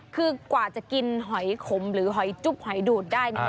คือกว่าจะกินหอยขมหรือหอยจุ๊บหอยดูดได้